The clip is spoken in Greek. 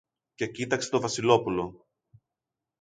και κοίταξε το Βασιλόπουλο.